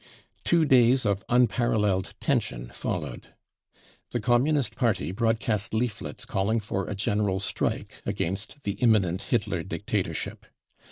Two cfeys of unparalleled * tension followed. The Communist Party broadcast leaflets „ caFiing for a general strike against the imminent Hitler dictatorship.